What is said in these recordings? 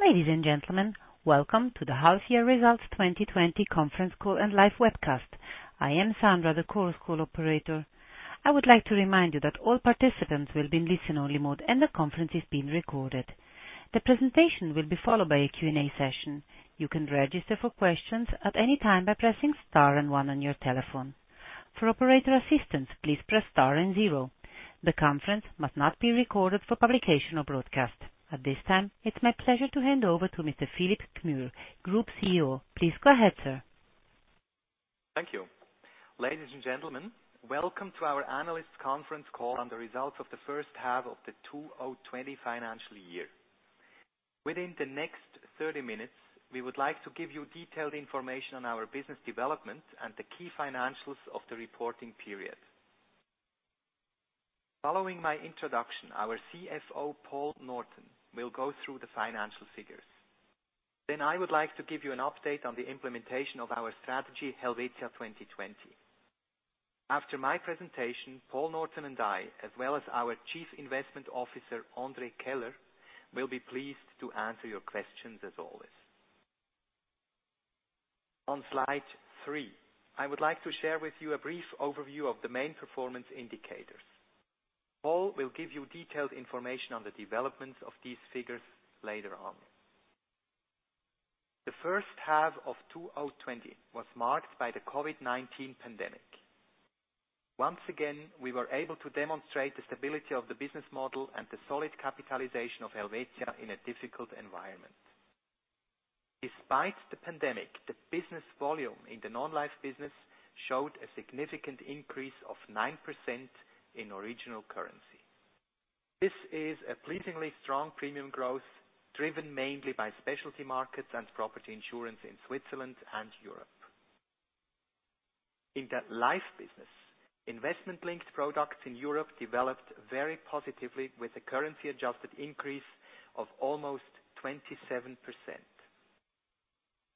Ladies and gentlemen, welcome to the Half-Year Results 2020 conference call and live webcast. I am Sandra, the conference call operator. I would like to remind you that all participants will be in listen-only mode, and the conference is being recorded. The presentation will be followed by a Q&A session. You can register for questions at any time by pressing star and one on your telephone. For operator assistance, please press star and zero. The conference must not be recorded for publication or broadcast. At this time, it's my pleasure to hand over to Mr. Philipp Gmür, Group CEO. Please go ahead, sir. Thank you. Ladies and gentlemen, welcome to our analyst conference call on the results of the first half of the 2020 financial year. Within the next 30-minutes, we would like to give you detailed information on our business development and the key financials of the reporting period. Following my introduction, our CFO, Paul Norton, will go through the financial figures. I would like to give you an update on the implementation of our strategy, Helvetia 2020. After my presentation, Paul Norton and I, as well as our Chief Investment Officer, André Keller, will be pleased to answer your questions as always. On slide three, I would like to share with you a brief overview of the main performance indicators. Paul will give you detailed information on the development of these figures later on. The first half of 2020 was marked by the COVID-19 pandemic. Once again, we were able to demonstrate the stability of the business model and the solid capitalization of Helvetia in a difficult environment. Despite the pandemic, the business volume in the non-life business showed a significant increase of 9% in original currency. This is a pleasingly strong premium growth driven mainly by specialty markets and property insurance in Switzerland and Europe. In the life business, investment-linked products in Europe developed very positively with a currency-adjusted increase of almost 27%.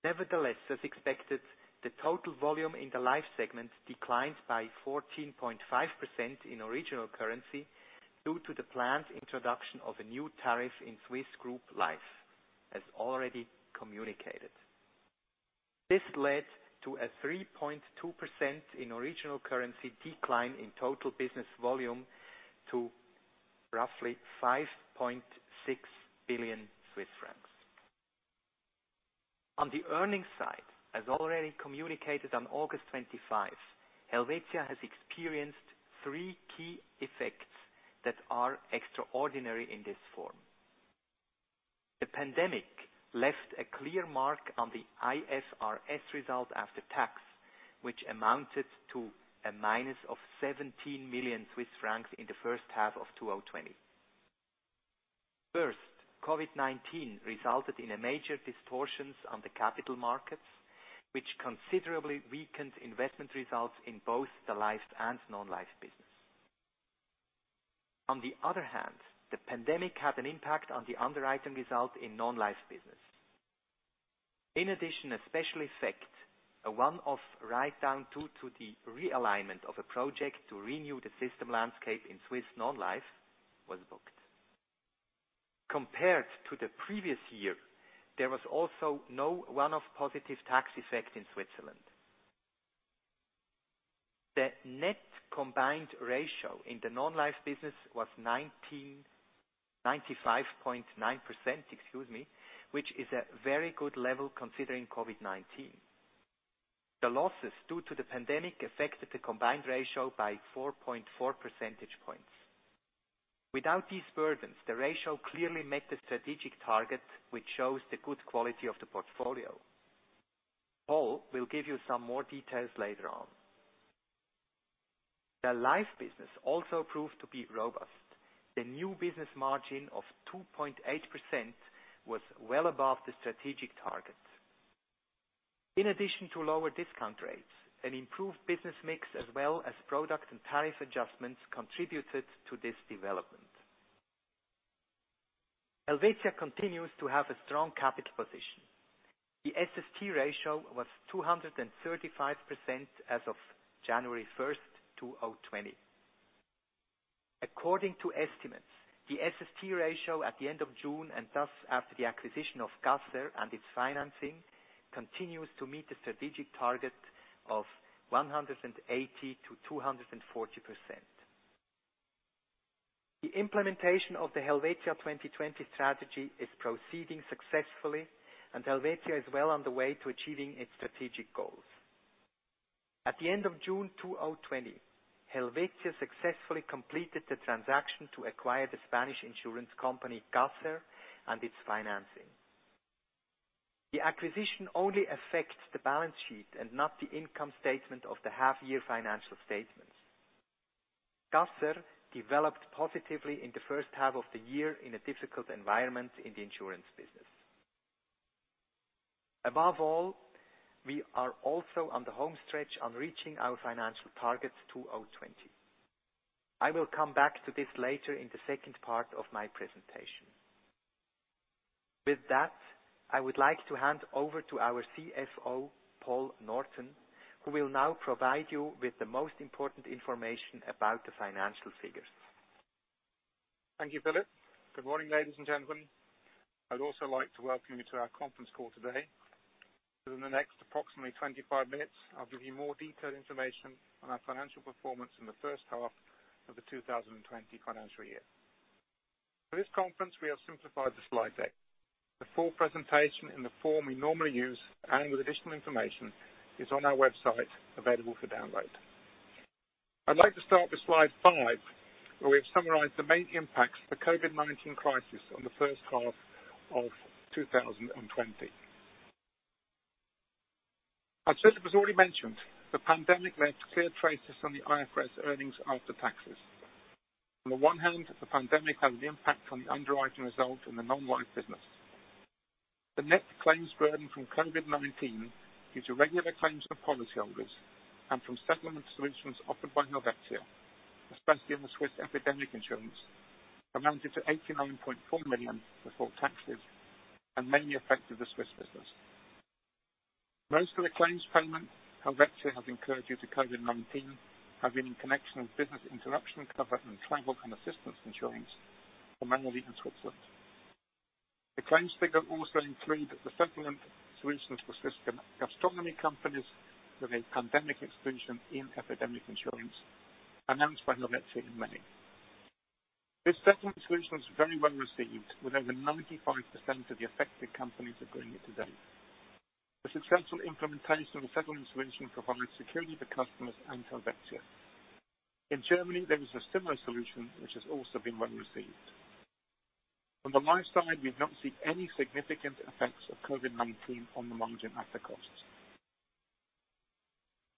Nevertheless, as expected, the total volume in the life segment declined by 14.5% in original currency due to the planned introduction of a new tariff in the Swiss group life, as already communicated. This led to a 3.2% in original currency decline in total business volume to roughly CHF 5.6 billion. On the earnings side, as already communicated on August 25, Helvetia has experienced three key effects that are extraordinary in this form. The pandemic left a clear mark on the IFRS result after tax, which amounted to a minus of 17 million Swiss francs in the first half of 2020. First, COVID-19 resulted in major distortions in the capital markets, which considerably weakened investment results in both the life and non-life business. On the other hand, the pandemic had an impact on the underwriting result in non-life business. In addition, a special effect, a one-off write-down due to the realignment of a project to renew the system landscape in Swiss non-life, was booked. Compared to the previous year, there was also no one-off positive tax effect in Switzerland. The net combined ratio in the non-life business was 95.9%, excuse me, which is a very good level considering COVID-19. The losses due to the pandemic affected the combined ratio by 4.4 percentage points. Without these burdens, the ratio clearly met the strategic target, which shows the good quality of the portfolio. Paul will give you some more details later on. The life business also proved to be robust. The new business margin of 2.8% was well above the strategic target. In addition to lower discount rates and improved business mix, as well as product and tariff adjustments contributed to this development. Helvetia continues to have a strong capital position. The SST ratio was 235% as of January 1, 2020. According to estimates, the SST ratio at the end of June, and thus after the acquisition of Caser and its financing, continues to meet the strategic target of 180%-240%. The implementation of the Helvetia 2020 strategy is proceeding successfully, and Helvetia is well on the way to achieving its strategic goals. At the end of June 2020, Helvetia successfully completed the transaction to acquire the Spanish insurance company, Caser, and its financing. The acquisition only affects the balance sheet and not the income statement of the half-year financial statements. Caser developed positively in the first half of the year in a difficult environment in the insurance business. Above all, we are also on the home stretch of reaching our financial targets 2020. I will come back to this later in the second part of my presentation. I would like to hand over to our CFO, Paul Norton, who will now provide you with the most important information about the financial figures. Thank you, Philipp. Good morning, ladies and gentlemen. I'd also like to welcome you to our conference call today. Within the next approximately 25-minutes, I'll give you more detailed information on our financial performance in the first half of the 2020 financial year. For this conference, we have simplified the slide deck. The full presentation in the form we normally use, and with additional information, is on our website, available for download. I'd like to start with slide five, where we have summarized the main impacts of the COVID-19 crisis on the first half of 2020. As Philipp has already mentioned, the pandemic left a clear trace on the IFRS earnings after taxes. On the one hand, the pandemic had an impact on the underwriting results in the non-life business. The net claims burden from COVID-19 due to regular claims from policyholders and from settlement solutions offered by Helvetia, especially on the Swiss epidemic insurance, amounted to 89.4 million before taxes and mainly affected the Swiss business. Most of the claims payments Helvetia has incurred due to COVID-19 have been in connection with business interruption cover and travel and assistance insurance, primarily in Switzerland. The claims figure also includes the settlement solutions for Swiss gastronomy companies with a pandemic exclusion in epidemic insurance announced by Helvetia in May. This settlement solution was very well received, with over 95% of the affected companies agreeing to date. The successful implementation of the settlement solution provided security for customers and Helvetia. In Germany, there is a similar solution which has also been well received. On the life side, we've not seen any significant effects of COVID-19 on the margin after costs.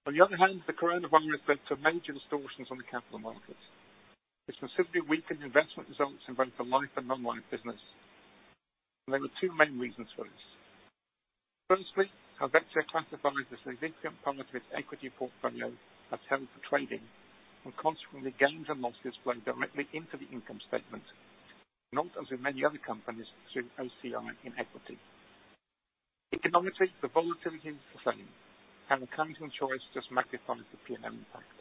On the other hand, the coronavirus led to major distortions on the capital markets, which considerably weakened investment results in both the life and non-life business. There are two main reasons for this. Firstly, Helvetia classifies the significant part of its equity portfolio as held for trading, and consequently, gains and losses flow directly into the income statement, not as in many other companies through OCI in equity. Economically, the volatility is the same, and accounting choice just magnifies the P&L impact.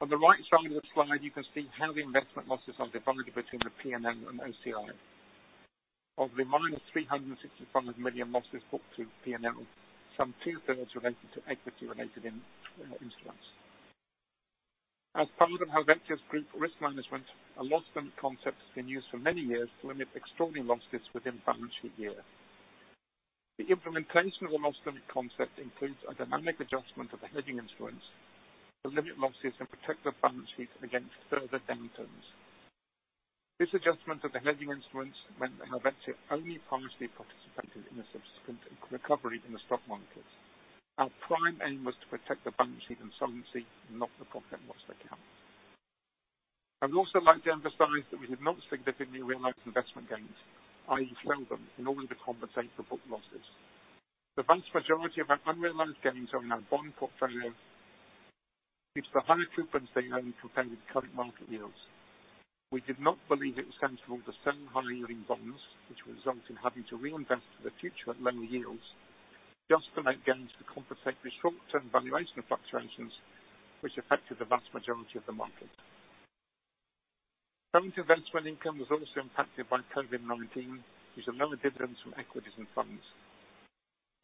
On the right side of the slide, you can see how the investment losses are divided between the P&L and OCI. Of the minus 365 million losses booked to P&L, some two-thirds related to equity related in insurance. As part of Helvetia's group risk management, a loss concept has been used for many years to limit extraordinary losses within the balance sheet year. The implementation of the loss concept includes a dynamic adjustment of the hedging instruments to limit losses and protect the balance sheet against further downturns. This adjustment of the hedging instruments meant that Helvetia only partially participated in the subsequent recovery in the stock markets. Our prime aim was to protect the balance sheet and solvency, not the profit and loss account. I would also like to emphasize that we did not significantly realize investment gains, i.e., sell them, in order to compensate for book losses. The vast majority of our unrealized gains are in our bond portfolio, gives the higher coupons they own compared with current market yields. We did not believe it was sensible to sell high-yielding bonds, which result in having to reinvest for the future at lower yields, just to make gains to compensate for short-term valuation fluctuations which affected the vast majority of the market. Coming to investment income was also impacted by COVID-19, which lowered dividends from equities and funds.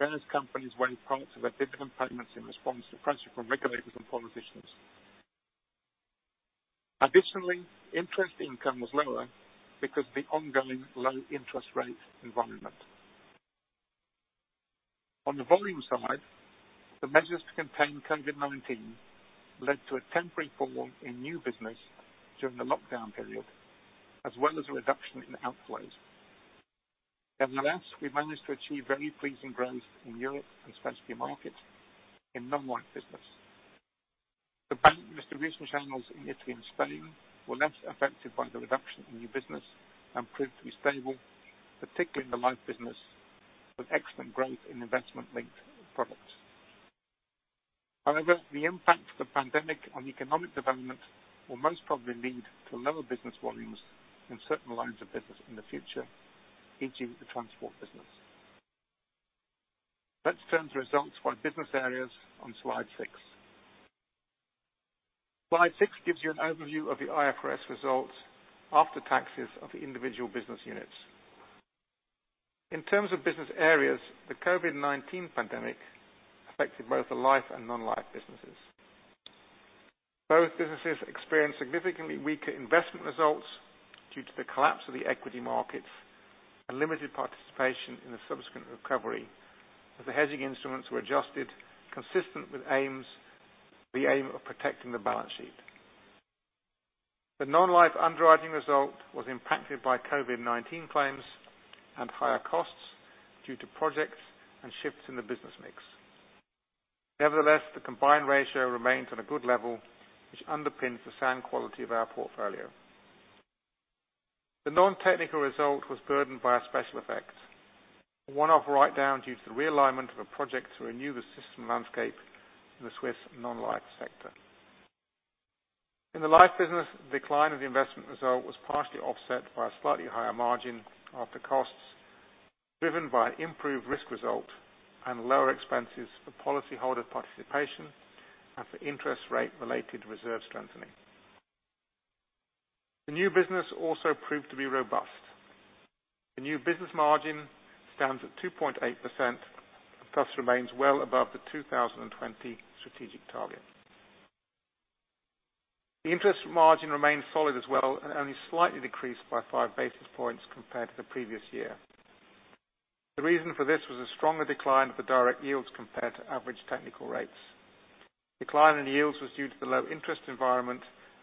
Various companies were in parts of their dividend payments in response to pressure from regulators and politicians. Additionally, interest income was lower because of the ongoing low interest rate environment. On the volume side, the measures to contain COVID-19 led to a temporary fall in new business during the lockdown period, as well as a reduction in outflows. Nevertheless, we managed to achieve very pleasing growth in Europe and specialty markets in non-life business. The distribution channels in Italy and Spain were less affected by the reduction in new business and proved to be stable, particularly in the life business, with excellent growth in investment-linked products. The impact of the pandemic on economic development will most probably lead to lower business volumes in certain lines of business in the future, e.g., the transport business. Let's turn to results by business areas on slide six. Slide six gives you an overview of the IFRS results after taxes of the individual business units. In terms of business areas, the COVID-19 pandemic affected both the life and non-life businesses. Both businesses experienced significantly weaker investment results due to the collapse of the equity markets and limited participation in the subsequent recovery, as the hedging instruments were adjusted consistent with the aim of protecting the balance sheet. The non-life underwriting result was impacted by COVID-19 claims and higher costs due to projects and shifts in the business mix. Nevertheless, the combined ratio remains at a good level, which underpins the sound quality of our portfolio. The non-technical result was burdened by a special effect, a one-off write-down due to the realignment of a project to renew the system landscape in the Swiss non-life sector. In the life business, the decline of the investment result was partially offset by a slightly higher margin after costs, driven by improved risk result and lower expenses for policyholder participation and for interest rate-related reserve strengthening. The new business also proved to be robust. The new business margin stands at 2.8% and thus remains well above the 2020 strategic target. The interest margin remained solid as well and only slightly decreased by five basis points compared to the previous year. The reason for this was a stronger decline of the direct yields compared to average technical rates. Decline in yields was due to the low interest environment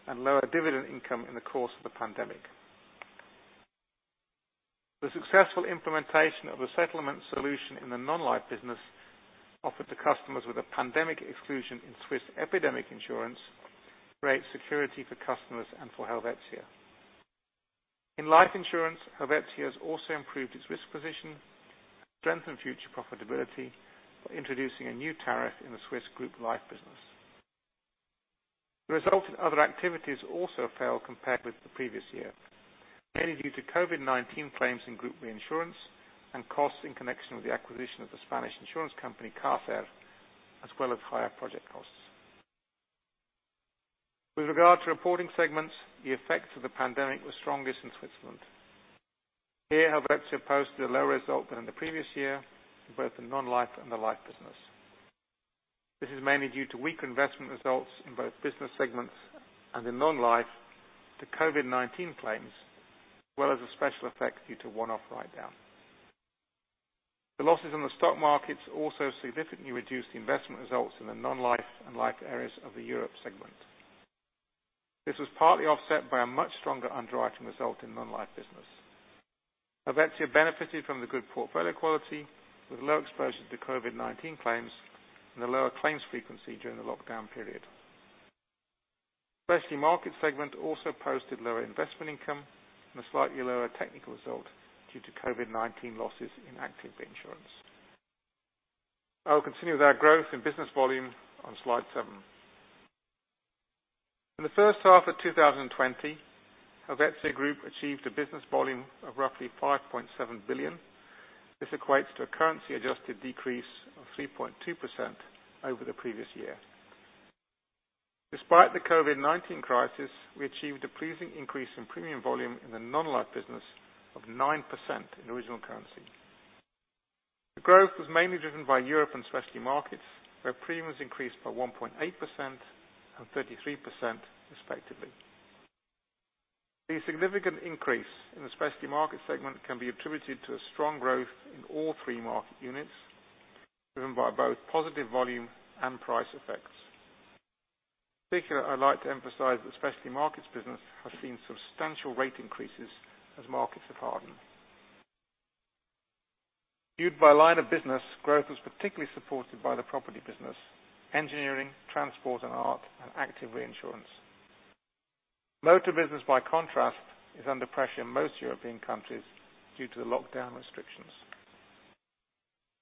and lower dividend income in the course of the pandemic. The successful implementation of a settlement solution in the non-life business, offered to customers with a pandemic exclusion in Swiss epidemic insurance, creates security for customers and for Helvetia. In life insurance, Helvetia has also improved its risk position and strengthened future profitability by introducing a new tariff in the Swiss group life business. The result in other activities also fell compared with the previous year, mainly due to COVID-19 claims in group reinsurance and costs in connection with the acquisition of the Spanish insurance company, Caser, as well as higher project costs. With regard to reporting segments, the effects of the pandemic were strongest in Switzerland. Here, Helvetia posted a lower result than in the previous year in both the non-life and the life business. This is mainly due to weaker investment results in both business segments and in non-life to COVID-19 claims, as well as a special effect due to one-off write-down. The losses in the stock markets also significantly reduced the investment results in the non-life and life areas of the Europe Segment. This was partly offset by a much stronger underwriting result in non-life business. Helvetia benefited from the good portfolio quality with low exposure to COVID-19 claims and a lower claims frequency during the lockdown period. Specialty Markets segment also posted lower investment income and a slightly lower technical result due to COVID-19 losses in active insurance. I will continue with our growth in business volume on slide seven. In the first half of 2020, Helvetia Group achieved a business volume of roughly 5.7 billion. This equates to a currency-adjusted decrease of 3.2% over the previous year. Despite the COVID-19 crisis, we achieved a pleasing increase in premium volume in the non-life business of 9% in original currency. The growth was mainly driven by Europe and Specialty Markets, where premiums increased by 1.8% and 33% respectively. The significant increase in the Specialty Markets segment can be attributed to a strong growth in all three market units, driven by both positive volume and price effects. In particular, I'd like to emphasize that Specialty Markets business has seen substantial rate increases as markets have hardened. Viewed by line of business, growth was particularly supported by the property business, engineering, transport, art, and active reinsurance. Motor business, by contrast, is under pressure in most European countries due to the lockdown restrictions.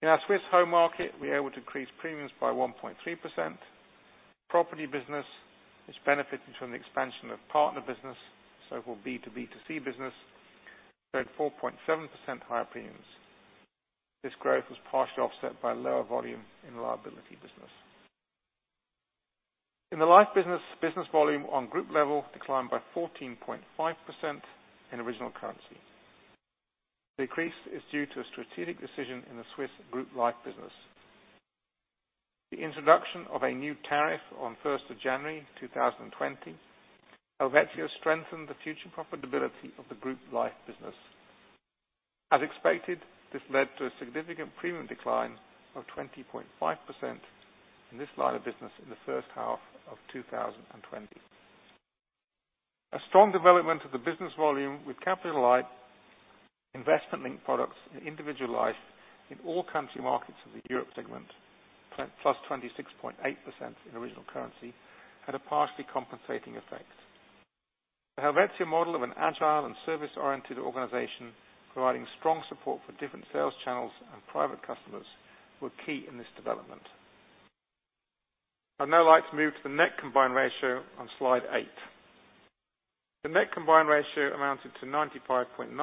In our Swiss home market, we are able to increase premiums by 1.3%. Property business is benefiting from the expansion of partner business, so-called B2B2C business, showing 4.7% higher premiums. This growth was partially offset by lower volume in liability business. In the life business volume on group level declined by 14.5% in original currency. Decrease is due to a strategic decision in the Swiss group life business. The introduction of a new tariff on January 1st, 2020, Helvetia strengthened the future profitability of the group life business. As expected, this led to a significant premium decline of 20.5% in this line of business in the first half of 2020. A strong development of the business volume with capital investment link products in individual life in all country markets of the Europe segment, plus 26.8% in original currency, had a partially compensating effect. The Helvetia model of an agile and service-oriented organization providing strong support for different sales channels and private customers were key in this development. I'd now like to move to the net combined ratio on slide eight. The net combined ratio amounted to 95.9%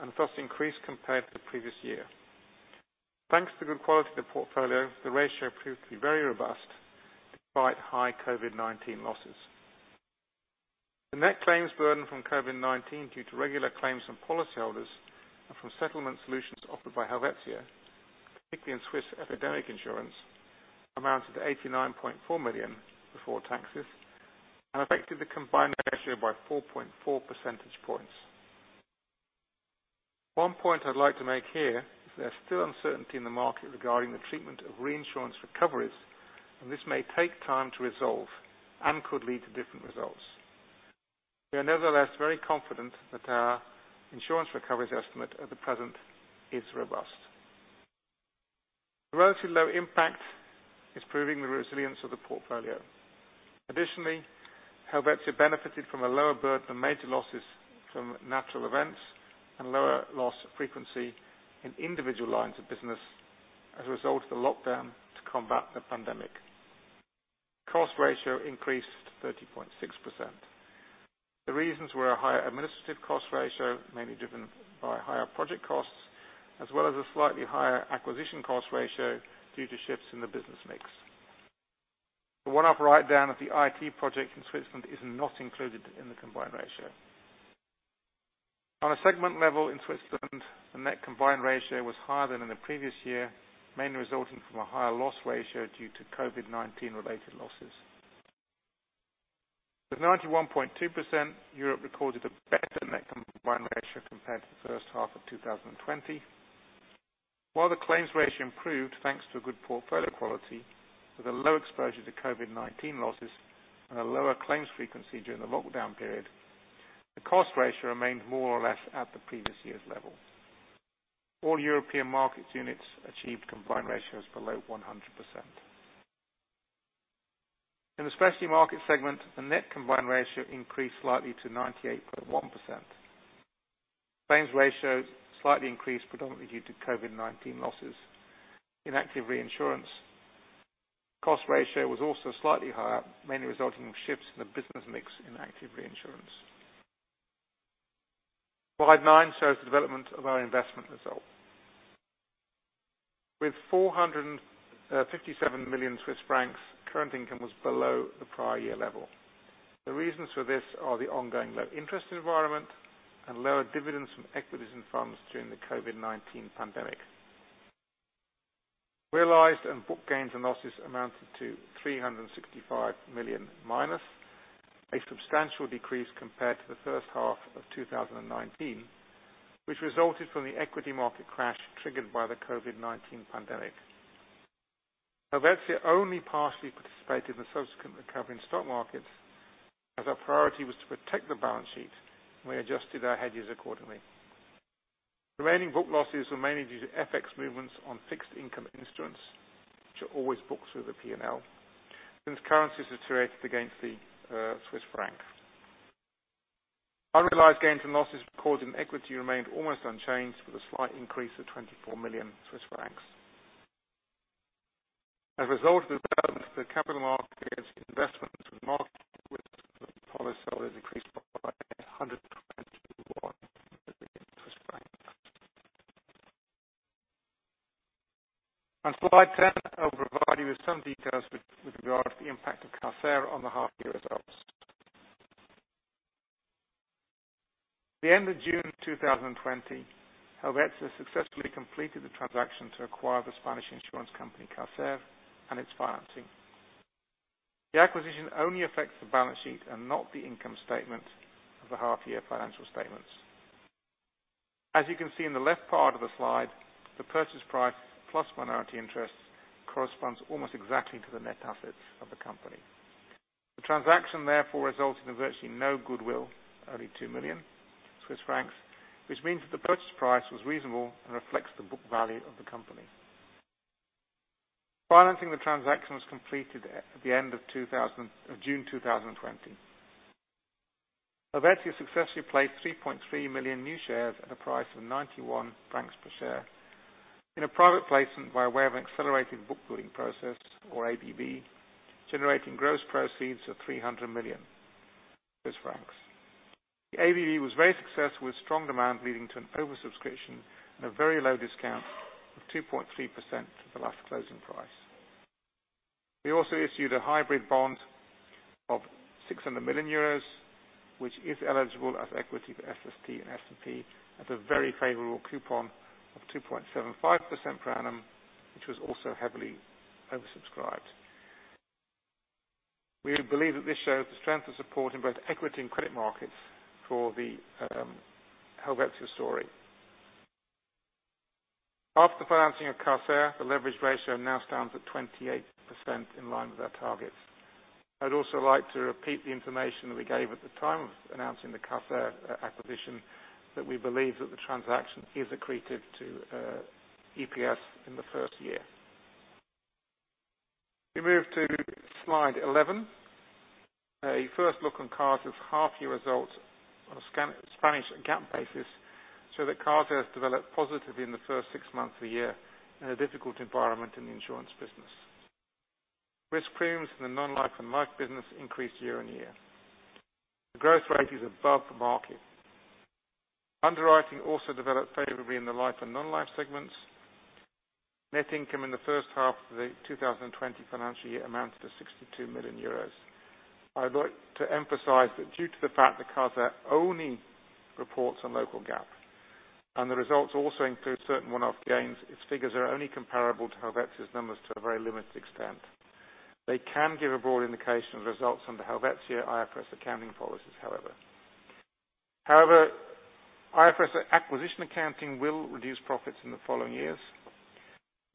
and thus increased compared to the previous year. Thanks to the good quality of the portfolio, the ratio proved to be very robust despite high COVID-19 losses. The net claims burden from COVID-19 due to regular claims from policyholders and from settlement solutions offered by Helvetia, particularly in Swiss epidemic insurance, amounted to 89.4 million before taxes and affected the combined ratio by 4.4 percentage points. One point I'd like to make here is there's still uncertainty in the market regarding the treatment of reinsurance recoveries, and this may take time to resolve and could lead to different results. We are nevertheless very confident that our insurance recoveries estimate at the present is robust. The relatively low impact is proving the resilience of the portfolio. Additionally, Helvetia benefited from a lower burden of major losses from natural events and lower loss frequency in individual lines of business as a result of the lockdown to combat the pandemic. Cost ratio increased to 30.6%. The reasons were a higher administrative cost ratio, mainly driven by higher project costs, as well as a slightly higher acquisition cost ratio due to shifts in the business mix. The one-off write-down of the IT project in Switzerland is not included in the combined ratio. On a segment level in Switzerland, the net combined ratio was higher than in the previous year, mainly resulting from a higher loss ratio due to COVID-19 related losses. With 91.2%, Europe recorded a better net combined ratio compared to the first half of 2020. While the claims ratio improved, thanks to good portfolio quality, with a low exposure to COVID-19 losses and a lower claims frequency during the lockdown period, the cost ratio remained more or less at the previous year's level. All European market units achieved combined ratios below 100%. In the specialty market segment, the net combined ratio increased slightly to 98.1%. Claims ratio slightly increased, predominantly due to COVID-19 losses. In active reinsurance, cost ratio was also slightly higher, mainly resulting from shifts in the business mix in active reinsurance. Slide nine shows the development of our investment result. With 457 million Swiss francs, current income was below the prior year level. The reasons for this are the ongoing low-interest environment and lower dividends from equities and funds during the COVID-19 pandemic. Realized and book gains and losses amounted to 365 million, minus a substantial decrease compared to the first half of 2019, which resulted from the equity market crash triggered by the COVID-19 pandemic. Helvetia only partially participated in the subsequent recovery in stock markets, as our priority was to protect the balance sheet, and we adjusted our hedges accordingly. The remaining book losses were mainly due to FX movements on fixed income instruments, which are always booked through the P&L, since currencies deteriorated against the Swiss franc. Unrealized gains and losses recorded in equity remained almost unchanged, with a slight increase of 24 million Swiss francs. As a result of development of the capital markets, investments with market risk of policyholders increased by CHF 121 million. On slide 10, I'll provide you with some details with regard to the impact of Caser on the half-year results. At the end of June 2020, Helvetia successfully completed the transaction to acquire the Spanish insurance company, Caser, and its financing. The acquisition only affects the balance sheet and not the income statement of the half year financial statements. As you can see in the left part of the slide, the purchase price plus minority interest corresponds almost exactly to the net assets of the company. The transaction, therefore results in virtually no goodwill, only 2 million Swiss francs, which means that the purchase price was reasonable and reflects the book value of the company. Financing the transaction was completed at the end of June 2020. Helvetia successfully placed 3.3 million new shares at a price of 91 francs per share in a private placement by way of an accelerated bookbuilding process or ABB, generating gross proceeds of 300 million francs. The ABB was very successful with strong demand, leading to an over-subscription and a very low discount of 2.3% to the last closing price. We also issued a hybrid bond of 600 million euros, which is eligible as equity for SST and S&P at a very favorable coupon of 2.75% per annum, which was also heavily oversubscribed. We believe that this shows the strength of support in both equity and credit markets for the Helvetia story. After financing of Caser, the leverage ratio now stands at 28% in line with our targets. I'd also like to repeat the information that we gave at the time of announcing the Caser acquisition, that we believe that the transaction is accretive to EPS in the first year. We move to slide 11. A first look on Caser's half-year results on a Spanish GAAP basis. Caser has developed positively in the first six months of the year in a difficult environment in the insurance business. Risk premiums in the non-life and life business increased year-on-year. The growth rate is above the market. Underwriting also developed favorably in the life and non-life segments. Net income in the first half of the 2020 financial year amounted to 62 million euros. I'd like to emphasize that due to the fact that Caser only reports on local GAAP, and the results also include certain one-off gains, its figures are only comparable to Helvetia's numbers to a very limited extent. They can give a broad indication of results under Helvetia IFRS accounting policies, however. However, IFRS acquisition accounting will reduce profits in the following years.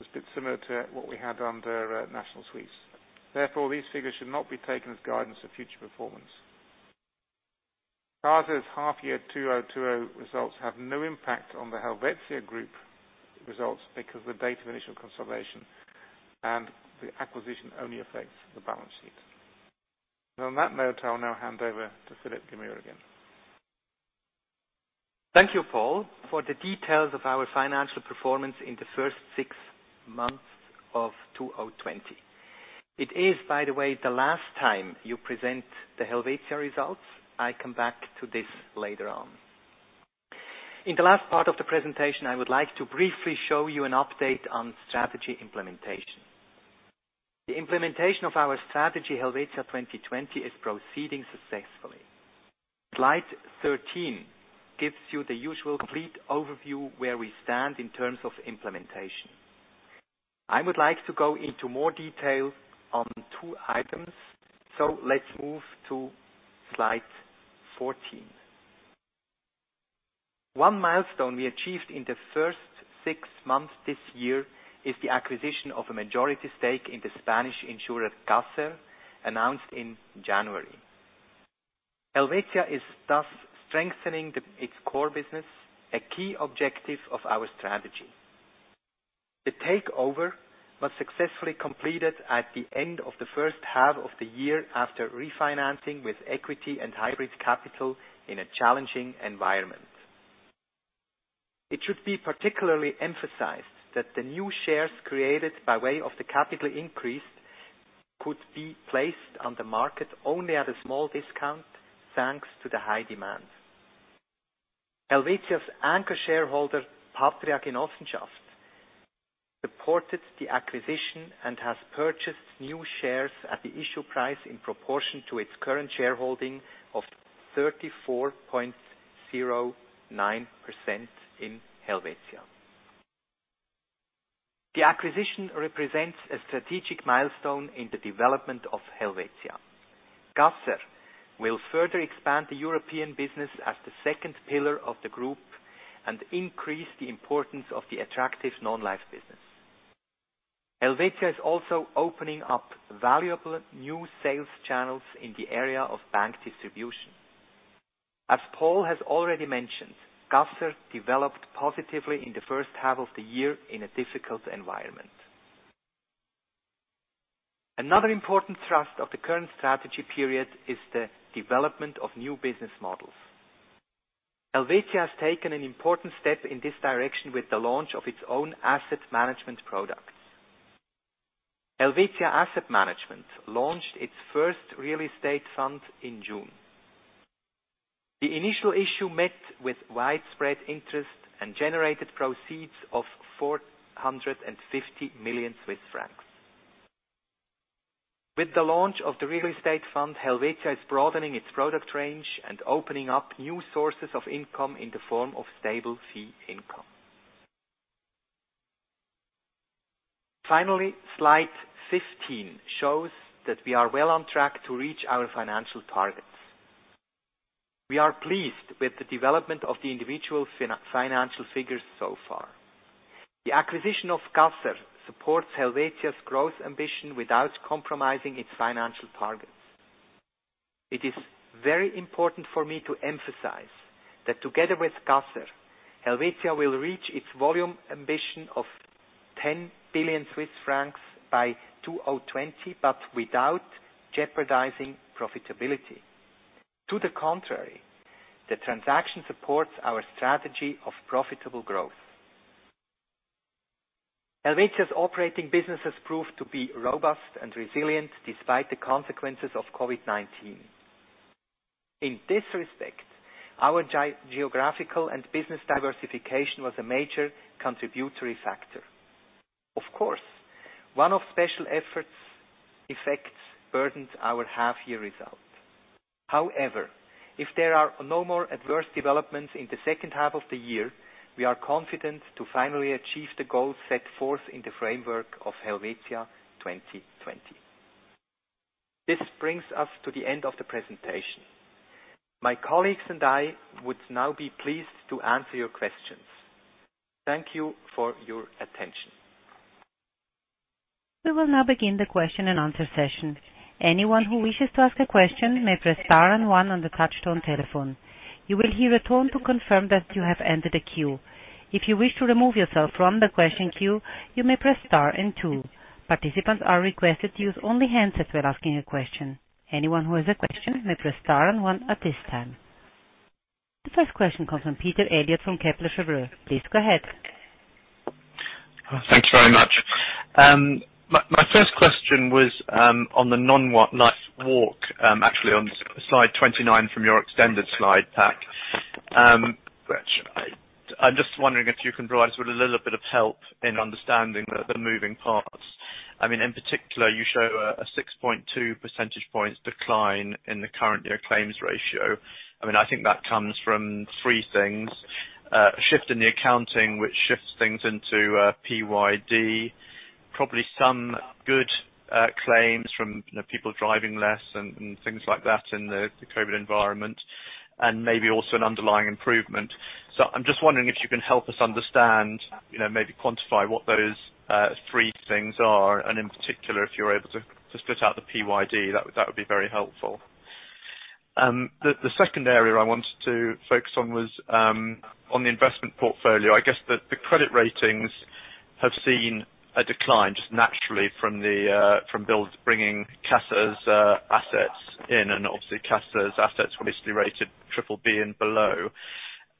It's a bit similar to what we had under Nationale Suisse. Therefore, these figures should not be taken as guidance of future performance. Caser's half-year 2020 results have no impact on the Helvetia Group results because of the date of initial consolidation, and the acquisition only affects the balance sheet. On that note, I'll now hand over to Philipp Gmür again. Thank you, Paul, for the details of our financial performance in the first six months of 2020. It is, by the way, the last time you present the Helvetia results. I come back to this later on. In the last part of the presentation, I would like to briefly show you an update on strategy implementation. The implementation of our strategy, Helvetia 2020, is proceeding successfully. Slide 13 gives you the usual complete overview where we stand in terms of implementation. I would like to go into more detail on two items. Let's move to slide 14. One milestone we achieved in the first six months this year is the acquisition of a majority stake in the Spanish insurer, Caser, announced in January. Helvetia is thus strengthening its core business, a key objective of our strategy. The takeover was successfully completed at the end of the first half of the year after refinancing with equity and hybrid capital in a challenging environment. It should be particularly emphasized that the new shares created by way of the capital increase could be placed on the market only at a small discount, thanks to the high demand. Helvetia's anchor shareholder, Patria Genossenschaft, supported the acquisition and has purchased new shares at the issue price in proportion to its current shareholding of 34.09% in Helvetia. The acquisition represents a strategic milestone in the development of Helvetia. Caser will further expand the European business as the second pillar of the group and increase the importance of the attractive non-life business. Helvetia is also opening up valuable new sales channels in the area of bank distribution. As Paul has already mentioned, Caser developed positively in the first half of the year in a difficult environment. Another important thrust of the current strategy period is the development of new business models. Helvetia has taken an important step in this direction with the launch of its own asset management products. Helvetia Asset Management launched its first real estate fund in June. The initial issue met with widespread interest and generated proceeds of 450 million Swiss francs. With the launch of the real estate fund, Helvetia is broadening its product range and opening up new sources of income in the form of stable fee income. Finally, slide 15 shows that we are well on track to reach our financial targets. We are pleased with the development of the individual financial figures so far. The acquisition of Caser supports Helvetia's growth ambition without compromising its financial targets. It is very important for me to emphasize that together with Caser, Helvetia will reach its volume ambition of 10 billion Swiss francs by 2020, but without jeopardizing profitability. To the contrary, the transaction supports our strategy of profitable growth. Helvetia's operating businesses proved to be robust and resilient despite the consequences of COVID-19. In this respect, our geographical and business diversification was a major contributory factor. Of course, one-off special effects burdened our half-year results. However, if there are no more adverse developments in the second half of the year, we are confident to finally achieve the goals set forth in the framework of Helvetia 2020. This brings us to the end of the presentation. My colleagues and I would now be pleased to answer your questions. Thank you for your attention. We will now begin the question-and-answer session. Anyone who wishes to ask a question may press star one on a touch-tone telephone. You will hear a tone to confirm you have entered the queue. If you wish to remove your prompt in question queue, you press star then two. Participants are requested to use only a handset to ask any question. Anyone who asked question press star one at this time. The first question comes from Peter Eliot from Kepler Cheuvreux. Please go ahead. Thanks very much. My first question was on the non-life walk, actually on slide 29 from your extended slide pack. I'm just wondering if you can provide us with a little bit of help in understanding the moving parts. In particular, you show a 6.2 percentage points decline in the current year claims ratio. I think that comes from three things. A shift in the accounting, which shifts things into PYD. Probably some good claims from people driving less and things like that in the COVID environment, and maybe also an underlying improvement. I'm just wondering if you can help us understand, maybe quantify what those three things are, and in particular, if you're able to split out the PYD, that would be very helpful. The second area I wanted to focus on was on the investment portfolio. I guess the credit ratings have seen a decline just naturally from bringing Caser's assets in, and obviously, Caser's assets were mostly rated triple B and below.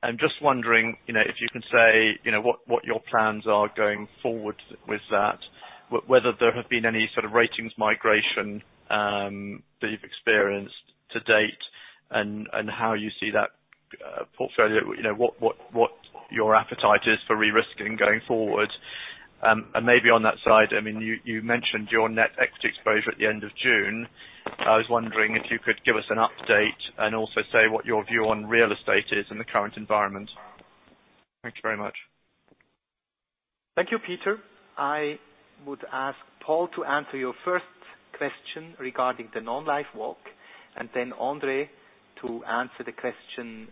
I'm just wondering if you can say what your plans are going forward with that, whether there have been any sort of ratings migration that you've experienced to date, and how you see that portfolio, what your appetite is for re-risking going forward. Maybe on that side, you mentioned your net equity exposure at the end of June. I was wondering if you could give us an update, and also say what your view on real estate is in the current environment. Thank you very much. Thank you, Peter. I would ask Paul to answer your first question regarding the non-life book, and then André to answer the question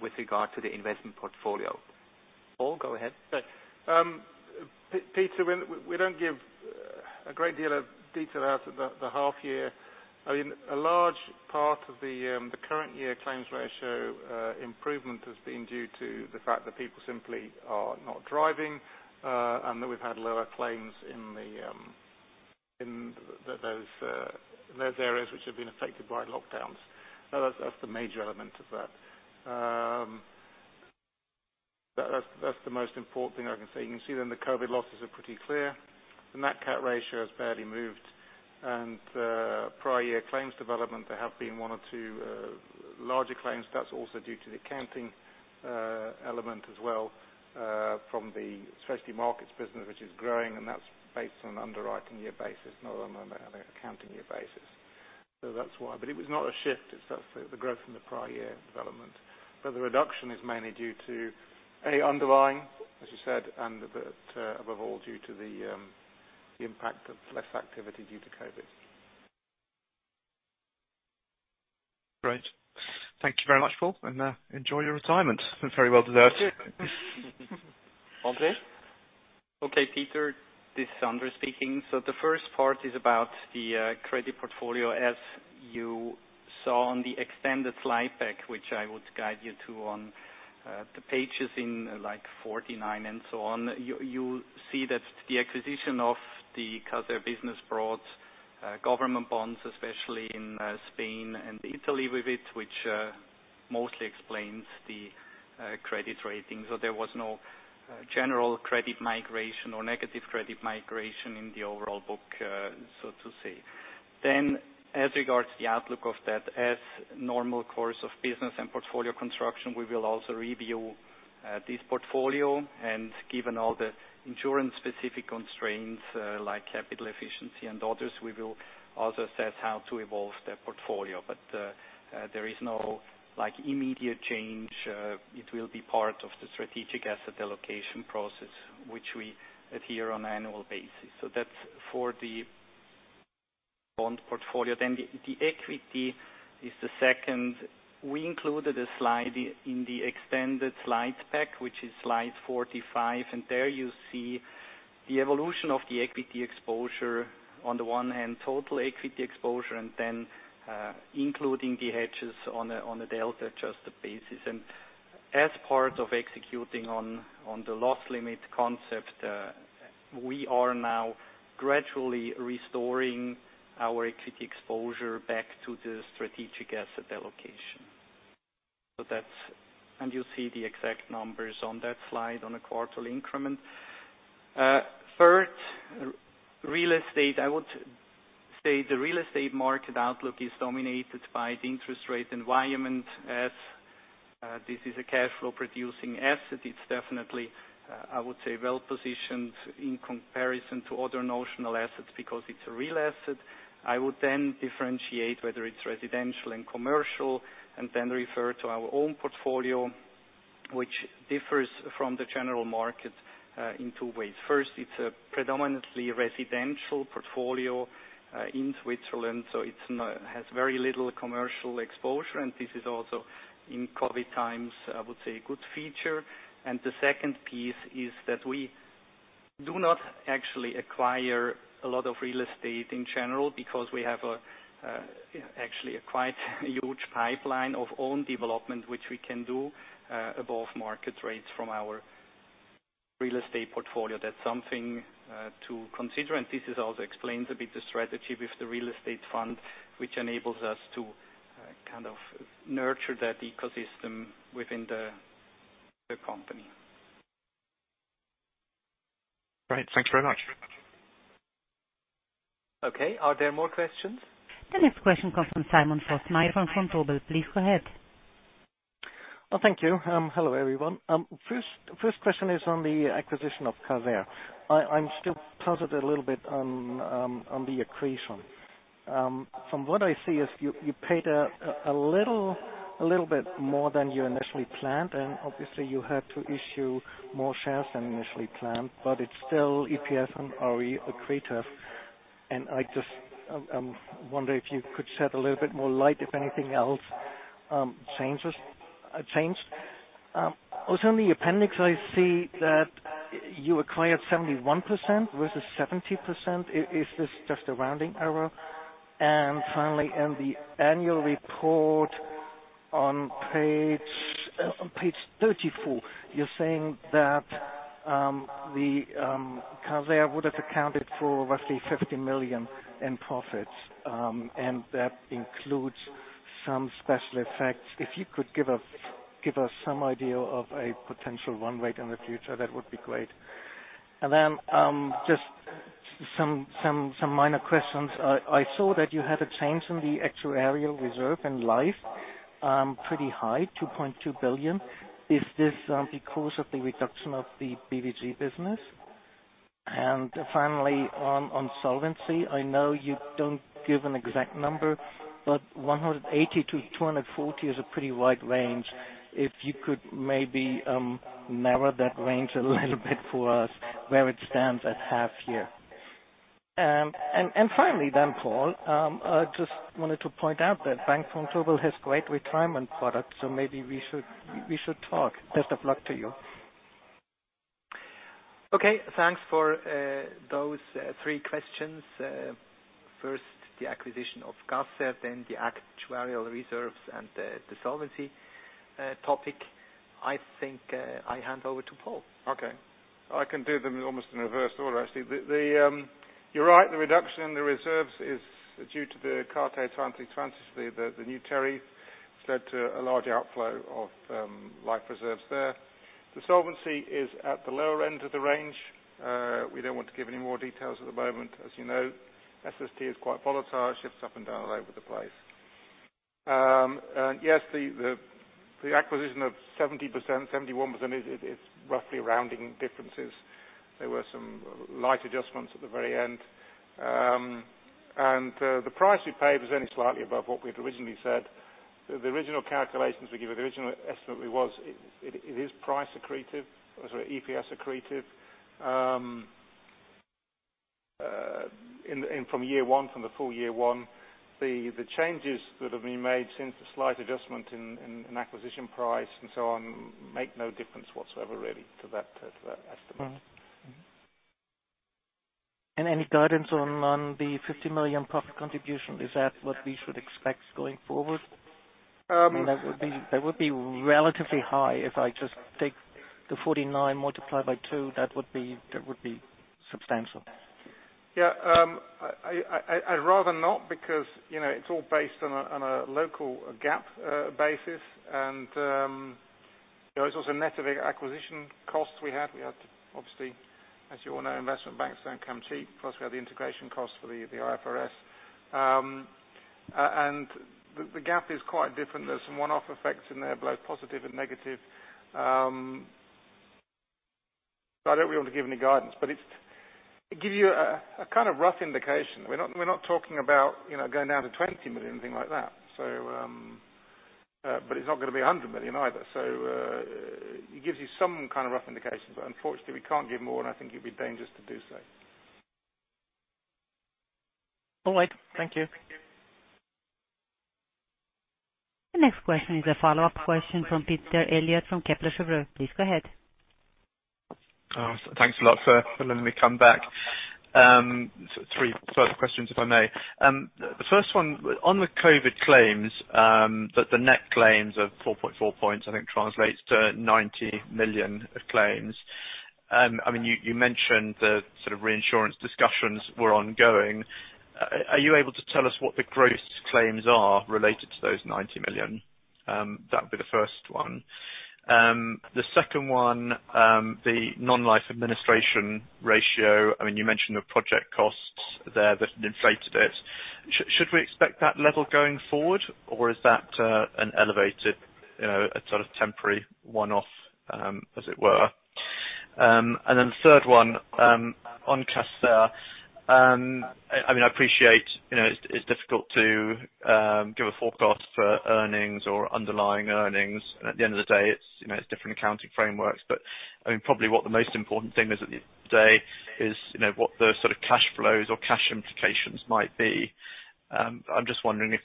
with regard to the investment portfolio. Paul, go ahead. Okay. Peter, we don't give a great deal of detail for the half-year. A large part of the current year's claims ratio improvement has been due to the fact that people simply are not driving, and that we've had lower claims in those areas which have been affected by lockdowns. That's the major element of that. That's the most important thing I can say. You can see the COVID losses are pretty clear. The net cat ratio has barely moved. Prior year claims development, there have been one or two larger claims. That's also due to the accounting element as well from the specialty markets business, which is growing, and that's based on an underwriting year basis, not on an accounting year basis. That's why. It was not a shift, it's the growth in the prior year's development. The reduction is mainly due to, A, underlying, as you said, and above all, due to the impact of less activity due to COVID. Great. Thank you very much, Paul, and enjoy your retirement. It is very well deserved. André? Peter, this is André speaking. The first part is about the credit portfolio. As you saw on the extended slide deck, which I would guide you to on the pages in like 49 and so on. You see that the acquisition of the Caser business brought government bonds, especially in Spain and Italy, with it, which mostly explains the credit rating. There was no general credit migration or negative credit migration in the overall book, so to say. As regards to the outlook of that, as normal course of business and portfolio construction, we will also review this portfolio. Given all the insurance specific constraints, like capital efficiency and others, we will also assess how to evolve that portfolio. There is no immediate change. It will be part of the strategic asset allocation process, which we adhere on an annual basis. That's for the bond portfolio. The equity is the second. We included a slide in the extended slide deck, which is slide 45, and there you see the evolution of the equity exposure on the one hand, total equity exposure, and then including the hedges on a delta-adjusted basis. As part of executing on the loss limit concept, we are now gradually restoring our equity exposure back to the strategic asset allocation. You'll see the exact numbers on that slide on a quarterly increment. Third, real estate. I would say the real estate market outlook is dominated by the interest rate environment. As this is a cash flow-producing asset, it's definitely, I would say, well-positioned in comparison to other notional assets because it's a real asset. I would then differentiate whether it's residential and commercial, and then refer to our own portfolio, which differs from the general market in two ways. First, it's a predominantly residential portfolio in Switzerland, so it has very little commercial exposure, and this is also in COVID times, I would say, a good feature. The second piece is that we do not actually acquire a lot of real estate in general because we have actually a quite huge pipeline of own development, which we can do above market rates from our real estate portfolio. That's something to consider. This also explains a bit the strategy with the real estate fund, which enables us to kind of nurture that ecosystem within the company. Great. Thanks very much. Okay. Are there more questions? The next question comes from Simon Fössmeier from Vontobel. Please go ahead. Thank you. Hello, everyone. First question is on the acquisition of Caser. I am still puzzled a little bit on the accretion. From what I see, you paid a little bit more than you initially planned, and obviously you had to issue more shares than initially planned, but it is still EPS and RE accretive. I just wonder if you could shed a little bit more light if anything else changed. Also, in the appendix, I see that you acquired 71% versus 70%. Is this just a rounding error? Finally, in the annual report on page 34, you are saying that Caser would have accounted for roughly 50 million in profits, and that includes some special effects. If you could give us some idea of a potential run rate in the future, that would be great. Just some minor questions. I saw that you had a change in the actuarial reserve in life, pretty high, 2.2 billion. Is this because of the reduction of the BVG business? Finally, on solvency. I know you don't give an exact number, but 180%-240% is a pretty wide range. If you could maybe narrow that range a little bit for us, where it stands at half year. Finally, then, Paul, I just wanted to point out that Bank Vontobel has great retirement products, so maybe we should talk. Best of luck to you. Okay, thanks for those three questions. First, the acquisition of Caser, then the actuarial reserves, and the solvency topic. I think I hand over to Paul. Okay. I can do them in almost in reverse order, actually. You're right, the reduction in the reserves is due to the Carte Blanche, the new tariff. It is led to a large outflow of life reserves there. The solvency is at the lower end of the range. We don't want to give any more details at the moment. As you know, SST is quite volatile, it shifts up and down all over the place. Yes, the acquisition of 70%, 71% is roughly rounding differences. There were some light adjustments at the very end. The price we paid was only slightly above what we had originally said. The original calculations we gave, the original estimate was, it is price accretive. Sorry, EPS accretive. From year one, from the full year one. The changes that have been made since the slight adjustment in acquisition price and so on, make no difference whatsoever really to that estimate. Any guidance on the 50 million profit contribution? Is that what we should expect going forward? Um- That would be relatively high if I just take the 49 multiplied by two. That would be substantial. Yeah. I'd rather not, because it's all based on a local GAAP basis, and it was also net of acquisition costs we had. We had obviously, as you all know, investment banks don't come cheap. Plus, we had the integration costs for the IFRS. The GAAP is quite different. There are some one-off effects in there, both positive and negative. I don't want to be able to give any guidance. It give you a kind of rough indication. We're not talking about going down to 20 million, anything like that. It's not going to be 100 million either. It gives you some kind of rough indication, but unfortunately, we can't give more, and I think it'd be dangerous to do so. All right. Thank you. The next question is a follow-up question from Peter Eliot from Kepler Cheuvreux. Please go ahead. Thanks a lot for letting me come back. Three further questions, if I may. The first one, on the COVID claims, that the net claims of 4.4 points, I think translates to 90 million of claims. You mentioned the sort of reinsurance discussions were ongoing. Are you able to tell us what the gross claims are related to those 90 million? That would be the first one. The second one, the non-life administration ratio. You mentioned the project costs there that have inflated it. Should we expect that level going forward, or is that an elevated, a sort of temporary one-off, as it were? The third one, on Caser. I appreciate it's difficult to give a forecast for earnings or underlying earnings. At the end of the day, it's different accounting frameworks. Probably what the most important thing is at the end of the day is what the sort of cash flows or cash implications might be. I am just wondering if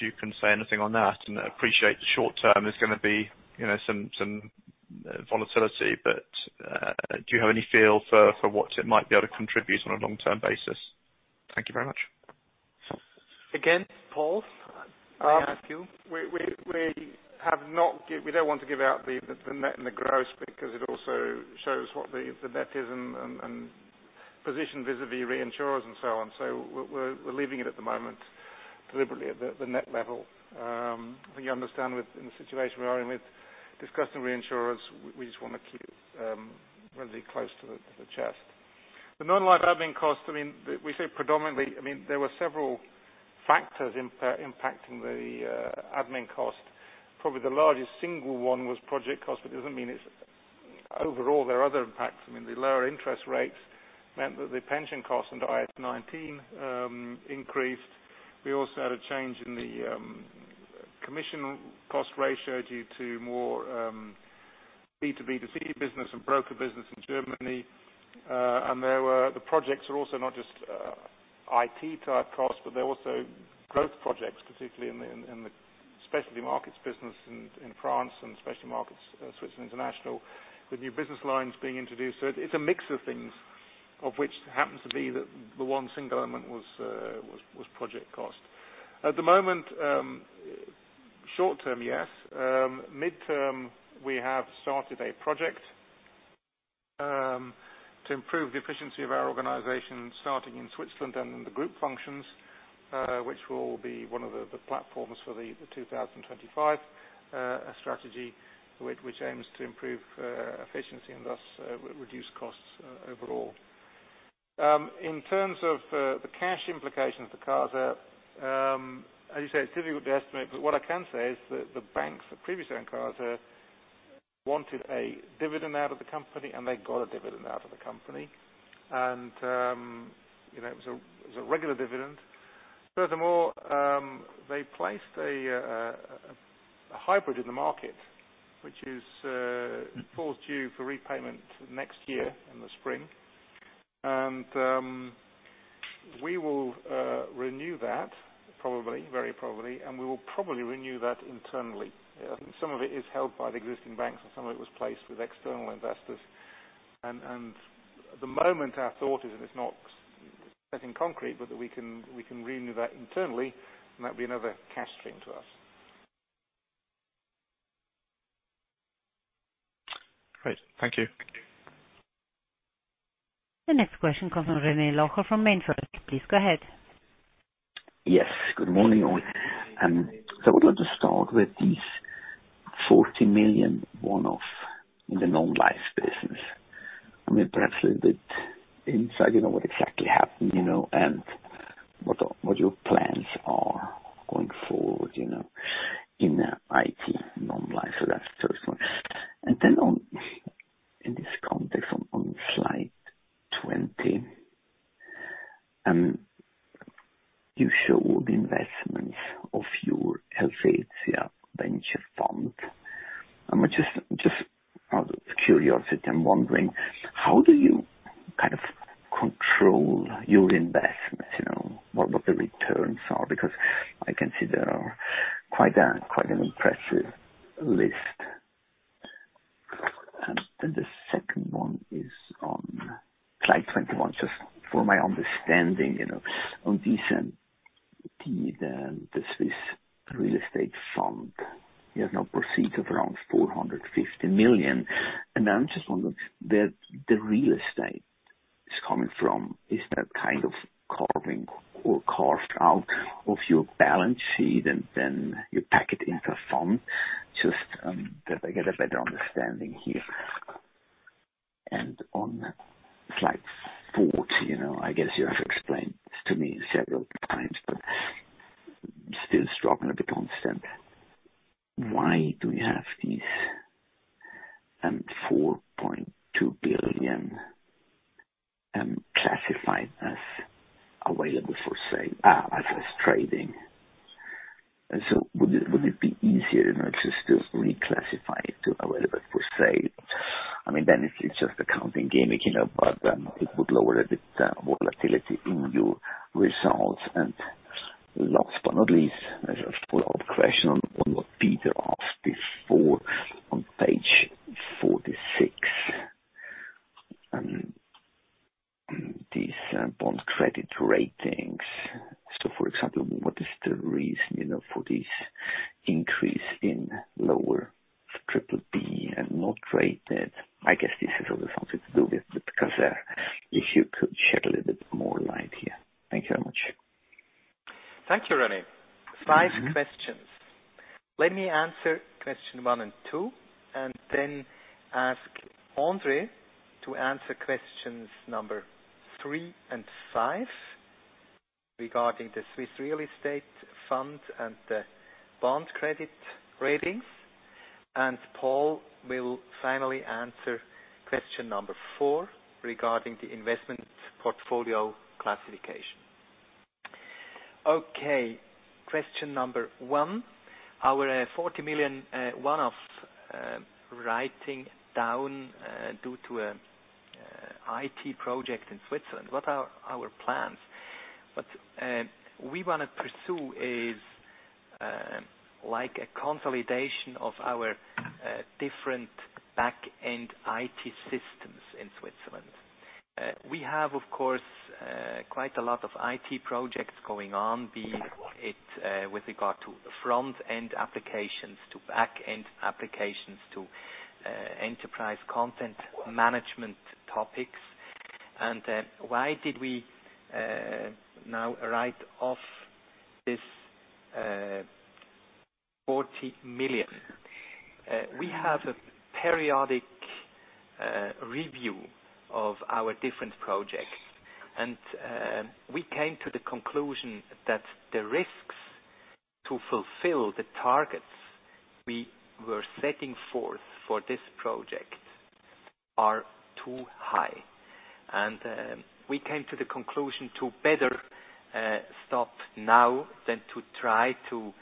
you can say anything on that, and I appreciate the short term is going to be some volatility. Do you have any feel for what it might be able to contribute on a long-term basis? Thank you very much. Again, Paul, may I ask you? We don't want to give out the net and the gross because it also shows what the net is and position vis-à-vis reinsurers and so on. We're leaving it at the moment deliberately at the net level. I think you understand with the situation we are in with discussing reinsurers, we just want to keep it really close to the chest. The non-life admin cost, we say there were several factors impacting the admin cost. Probably the largest single one was project cost, but it doesn't mean there are other impacts. The lower interest rates meant that the pension costs under IAS 19 increased. We also had a change in the commission cost ratio due to more B2B2C business and broker business in Germany. The projects are also not just IT type costs, but they're also growth projects, particularly in the specialty markets business in France and specialty markets, Switzerland international, with new business lines being introduced. Of which happens to be that the one single element was project cost. At the moment, short-term, yes. Mid-term, we have started a project to improve the efficiency of our organization, starting in Switzerland and in the group functions, which will be one of the platforms for the 2025 strategy, which aims to improve efficiency and thus reduce costs overall. In terms of the cash implications for Caser, as you say, it's difficult to estimate. What I can say is that the banks that previously owned Caser wanted a dividend out of the company, and they got a dividend out of the company. It was a regular dividend. Furthermore, they placed a hybrid in the market, which falls due for repayment next year in the spring. We will renew that very probably, and we will probably renew that internally. I think some of it is held by the existing banks, and some of it was placed with external investors. At the moment, our thought is, and it's not set in concrete, but that we can renew that internally, and that'll be another cash stream to us. Great. Thank you. The next question comes from René Locher from MainFirst. Please go ahead. Good morning, all. I would like to start with this 40 million one-off in the non-life business. Perhaps a little bit inside, what exactly happened, and what your plans are going forward in the IT non-life. That's the first one. In this context, on slide 20, you show the investments of your Helvetia Venture Fund. Just out of curiosity, I'm wondering, how do you control your investments? What the returns are, because I can see there are quite an impressive list. The second one is on slide 21, just for my understanding, on this and the Swiss real estate fund. You have now proceeds of around 450 million. I'm just wondering where the real estate is coming from. Is that carving or carved out of your balance sheet, you pack it into a fund? Just that I get a better understanding here. On slide 40, I guess you have explained this to me several times, but still struggling a bit to understand. Why do we have this CHF 4.2 billion classified as trading? Would it be easier just to reclassify it as available for sale? It's just accounting gimmick, but it would lower a bit volatility in your results. Last but not least, as a follow-up question on what Peter asked before on page 46. These bond credit ratings. For example, what is the reason for this increase in lower triple B and not rated? I guess this is also something to do with Caser. If you could shed a little bit more light here. Thank you very much. Thank you, René. Five questions. Let me answer questions one and two, then ask André to answer questions number three and five regarding the Swiss real estate fund and the bond credit ratings. Paul will finally answer question number four regarding the investment portfolio classification. Okay. Question number one, our 40 million one-off writing down due to an IT project in Switzerland. What are our plans? What we want to pursue is a consolidation of our different back-end IT systems in Switzerland. We have, of course, quite a lot of IT projects going on, be it with regard to front-end applications, to back-end applications, or enterprise content management topics. Why did we now write off this 40 million? We have a periodic review of our different projects, and we came to the conclusion that the risks to fulfill the targets we were setting forth for this project are too high. We came to the conclusion to better stop now than to try to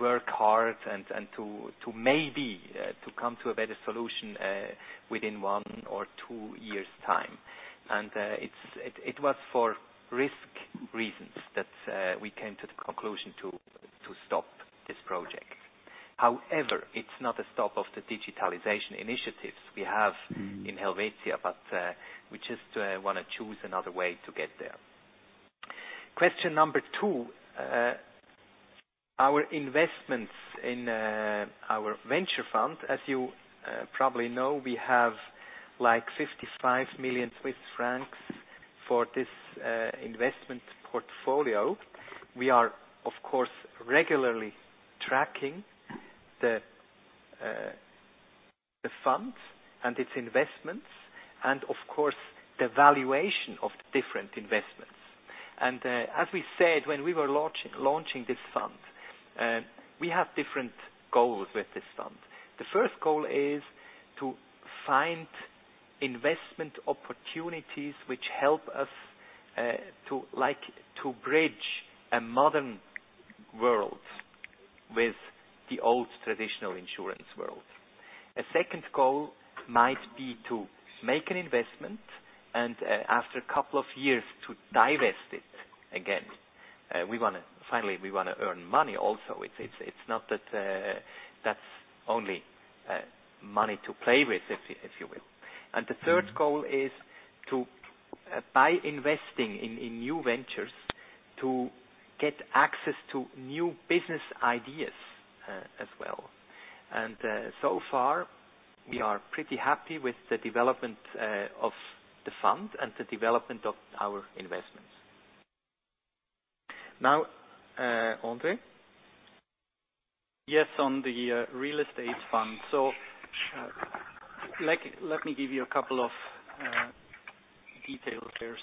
work hard and to maybe to come to a better solution within one or two years' time. It was for risk reasons that we came to the conclusion to stop this project. However, it's not a stop of the digitalization initiatives we have in Helvetia, but we just want to choose another way to get there. Question number two. Our investments in our venture fund. As you probably know, we have 55 million Swiss francs for this investment portfolio. We are, of course, regularly tracking the fund and its investments, and of course, the valuation of the different investments. As we said when we were launching this fund, we have different goals with this fund. The first goal is to find investment opportunities which help us to bridge a modern world with the old traditional insurance world. A second goal might be to make an investment and, after a couple of years to divest it again. Finally, we want to earn money also. It's not that's only money to play with, if you will. The third goal is to, by investing in new ventures, to get access to new business ideas as well. So far, we are pretty happy with the development of the fund and the development of our investments. Now, André? Yes, on the real estate fund. Let me give you a couple of details here.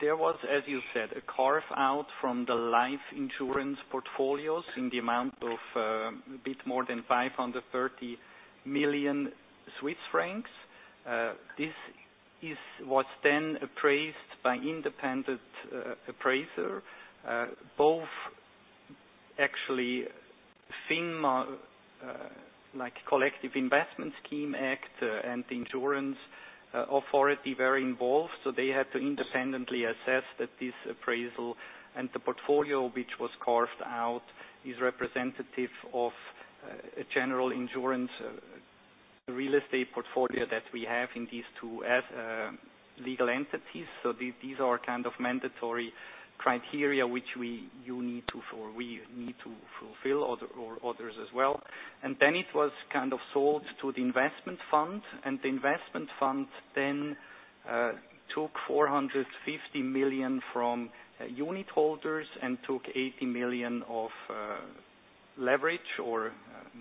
There was, as you said, a carve-out from the life insurance portfolios in the amount of a bit more than 530 million Swiss francs. This was appraised by independent appraiser. Both actually, FINMAR, like Collective Investment Schemes Act, and the insurance authority were involved. They had to independently assess that this appraisal and the portfolio, which was carved out is representative of a general insurance real estate portfolio that we have in these two as legal entities. These are kind of mandatory criteria which we need to fulfill or others as well. Then it was kind of sold to the investment fund, and the investment fund then took 450 million from unit holders and took 80 million of leverage or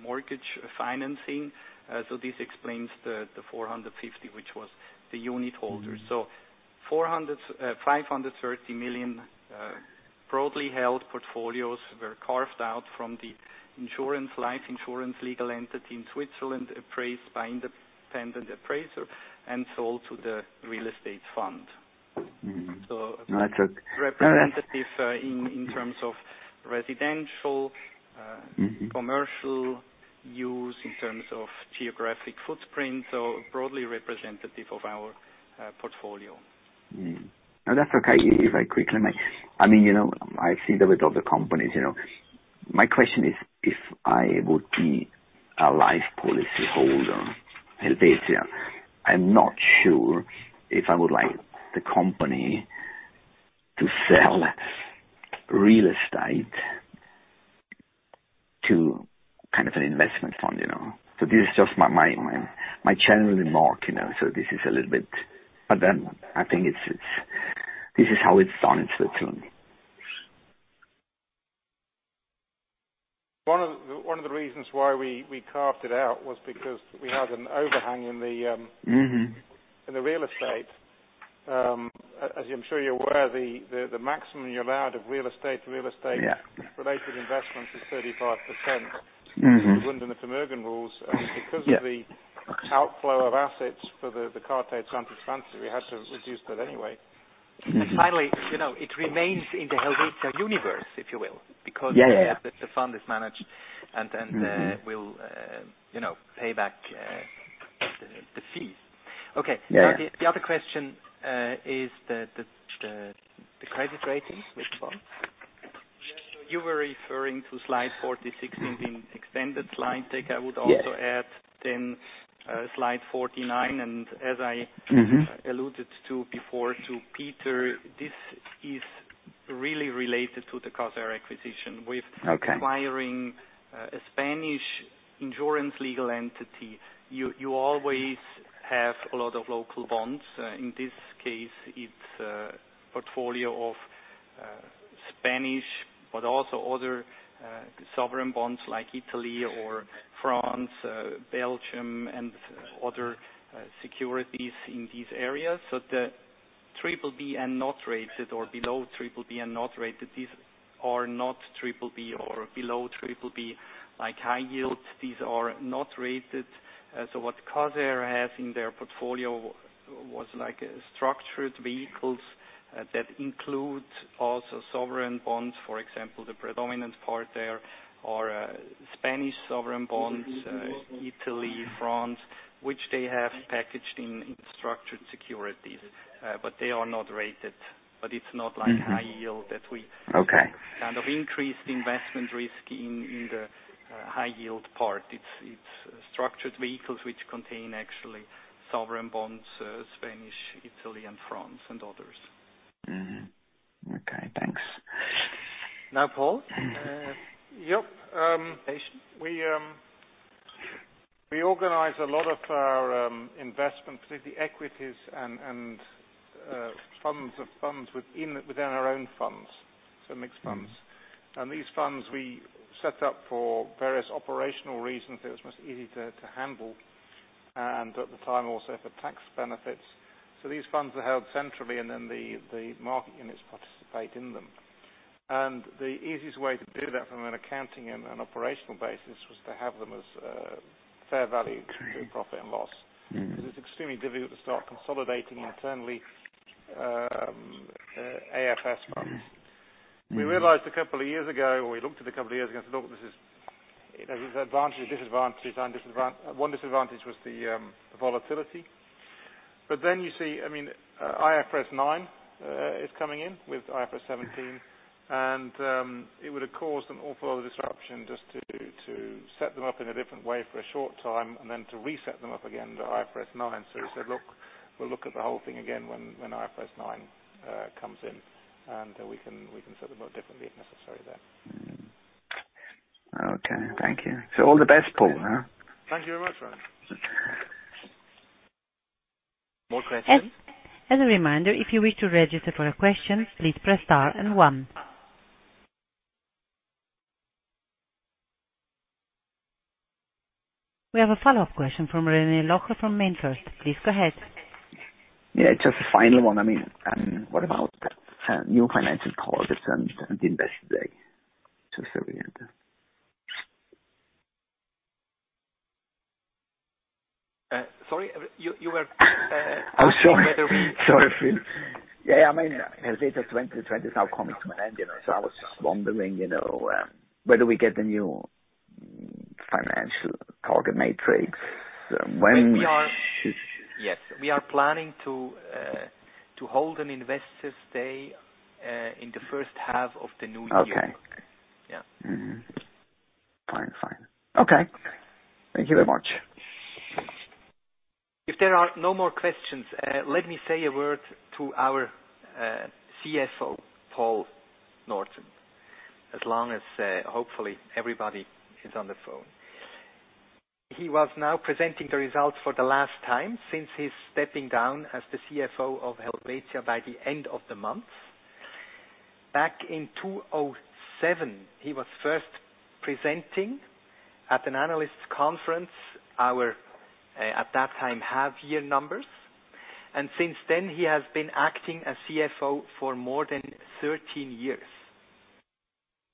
mortgage financing. This explains the 450, which was the unit holders. 530 million broadly held portfolios were carved out from the life insurance legal entity in Switzerland, appraised by independent appraiser, and sold to the real estate fund. So- That's okay. Representative in terms of residential. Commercial use, in terms of geographic footprint, so broadly representative of our portfolio. No, that's okay. Very quickly. I see the head of the companies. My question is, if I would be a life policy holder in Helvetia, I'm not sure if I would like the company to sell real estate to kind of an investment fund. This is just my general remark. I think this is how it's done in Switzerland. One of the reasons why we carved it out was because we had an overhang in the, in the real estate. As I'm sure you're aware, the maximum you're allowed of real estate- Yeah Real estate-related investments is 35%. Under the Firmengruppen rules. Because of the outflow of assets for the tariff transfer, we had to reduce that anyway. Finally, it remains in the Helvetia universe, if you will. Yeah. The fund is managed and then we'll pay back the fees. Okay. Yeah. The other question is the credit ratings, which one? Yeah. You were referring to slide 46 being extended slide deck. Yes. I would also add then slide 49. Alluded to before to Peter, this is really related to the Caser acquisition. Okay. With acquiring a Spanish insurance legal entity, you always have a lot of local bonds. In this case, it's a portfolio of Spanish, but also other sovereign bonds like Italy or France, Belgium, and other securities in these areas. The Triple B and not rated or below Triple B, and not rated, these are not Triple B or below Triple B, like high yield. These are not rated. What Caser has in their portfolio was structured vehicles that include also sovereign bonds. For example, the predominant part there are Spanish sovereign bonds, Italy, France, which they have packaged in structured securities. They are not rated, but it's not like high yield. Okay Kind of increased investment risk in the high yield part. It's structured vehicles which contain actually sovereign bonds, Spain, Italy, and France, and others. Mm-hmm. Okay, thanks. Now, Paul? Yep. Patient. We organize a lot of our investments with the equities and funds within our own funds, so mixed funds. These funds we set up for various operational reasons, it was much easier to handle. At the time, also for tax benefits. These funds are held centrally, and then the market units participate in them. The easiest way to do that from an accounting and an operational basis was to have them as fair value to profit and loss. Because it's extremely difficult to start consolidating internally AFS funds. We realized a couple of years ago, or we looked at a couple of years ago and said, "Look, there's advantages, disadvantages and one disadvantage was the volatility." You see, IFRS 9 is coming in with IFRS 17, and it would've caused an awful lot of disruption just to set them up in a different way for a short time, and then to reset them up again to IFRS 9. We said, "Look, we'll look at the whole thing again when IFRS 9 comes in, and we can set them up differently if necessary then. Okay, thank you. All the best, Paul. Thank you very much. More questions? As a reminder, if you wish to register for a question, please press star and one. We have a follow-up question from René Locher from MainFirst. Please go ahead. Yeah, just the final one. What about new financial targets and the Investors Day to fill you in? Sorry. Oh, sorry, Philipp. Yeah, Helvetia 2020 is now coming to an end. I was just wondering whether we get the new financial target matrix. Yes. We are planning to hold an Investors' Day in the first half of the new year. Okay. Yeah. Mm-hmm. Fine. Okay. Thank you very much. If there are no more questions, let me say a word to our CFO, Paul Norton, as long as, hopefully, everybody is on the phone. He was now presenting the results for the last time since his stepping down as the CFO of Helvetia by the end of the month. Back in 2007, he was first presenting at an analysts' conference, at that time, the half-year numbers. Since then, he has been acting as CFO for more than 13 years.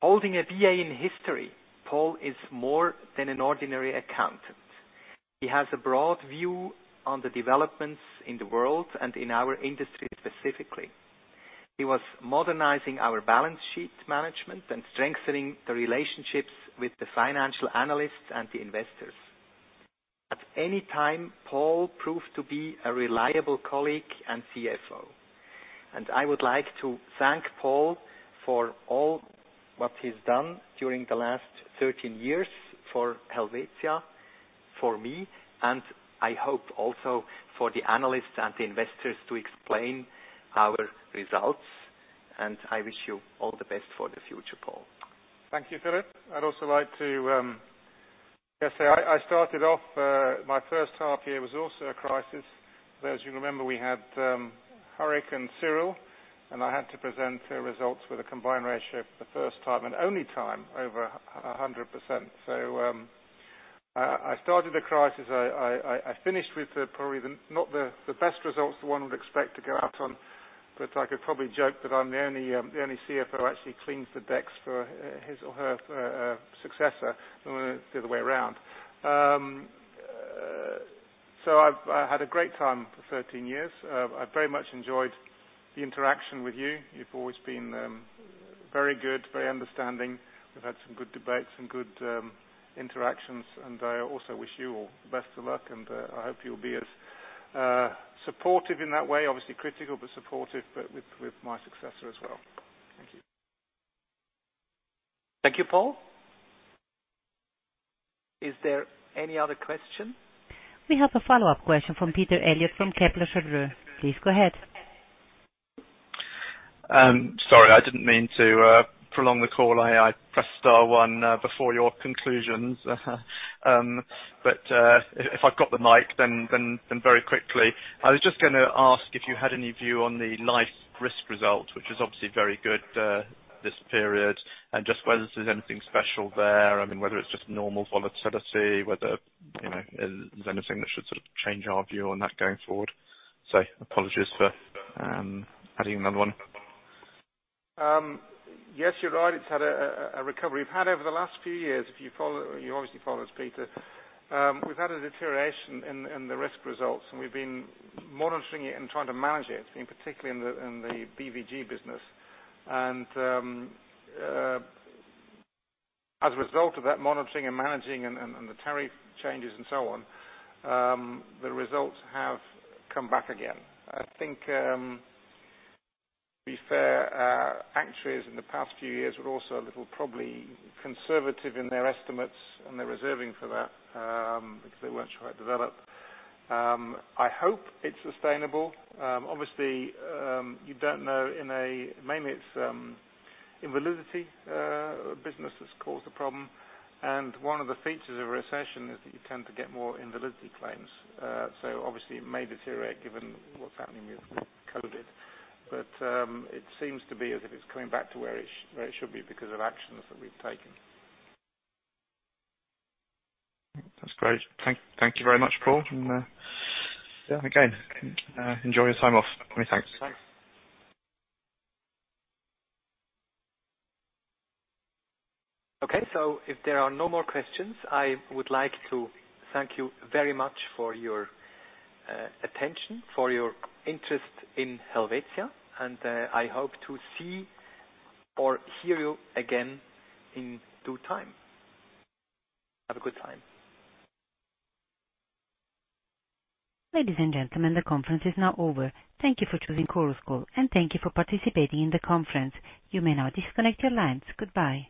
Holding a BA in History, Paul is more than an ordinary accountant. He has a broad view of the developments in the world and in our industry specifically. He was modernizing our balance sheet management and strengthening the relationships with the financial analysts and the investors. At any time, Paul proved to be a reliable colleague and CFO. I would like to thank Paul for all what he's done during the last 13 years for Helvetia, for me, and I hope also for the analysts and the investors to explain our results. I wish you all the best for the future, Paul. Thank you, Philipp. I'd also like to say, I started off, my first half year was also a crisis. As you remember, we had Hurricane Kyrill, and I had to present the results with a combined ratio for the first time and only time over 100%. I started the crisis. I finished with probably not the best results that one would expect to go out on, but I could probably joke that I'm the only CFO who actually cleans the decks for his or her successor, the other way around. I've had a great time for 13 years. I've very much enjoyed the interaction with you. You've always been very good, very understanding. We've had some good debates, some good interactions, and I also wish you all the best of luck, and I hope you'll be as supportive in that way. Obviously critical, but supportive, but with my successor as well. Thank you. Thank you, Paul. Is there any other question? We have a follow-up question from Peter Eliot from Kepler Cheuvreux. Please go ahead. Sorry, I didn't mean to prolong the call. I pressed star one before your conclusions. If I've got the mic, then very quickly. I was just going to ask if you had any view on the life risk result, which is obviously very good this period, and just whether there's anything special there. Whether it's just normal volatility, whether there's anything that should sort of change our view on that going forward. Apologies for adding another one. Yes, you're right. It's had a recovery. We've had over the last few years. You obviously follow us, Peter. We've had a deterioration in the risk results, and we've been monitoring it and trying to manage it, in particular in the BVG business. As a result of that monitoring and managing, the tariff changes and so on, the results have come back again. I think, to be fair, actuaries in the past few years were also a little probably conservative in their estimates and their reserving for that, because they weren't sure how it developed. I hope it's sustainable. Obviously, you don't know. Mainly its invalidity business has caused a problem, and one of the features of a recession is that you tend to get more invalidity claims. Obviously, it may deteriorate given what's happening with COVID. It seems to be as if it's coming back to where it should be because of actions that we've taken. That's great. Thank you very much, Paul. Again, enjoy your time off. Many thanks. Thanks. If there are no more questions, I would like to thank you very much for your attention, for your interest in Helvetia, and I hope to see or hear you again in due time. Have a good time. Ladies and gentlemen, the conference is now over. Thank you for choosing Chorus Call, and thank you for participating in the conference. You may now disconnect your lines. Goodbye.